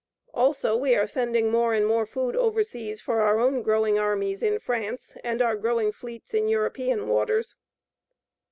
Also we are sending more and more food overseas for our own growing armies in France and our growing fleets in European waters.